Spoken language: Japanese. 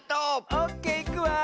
オッケーいくわ。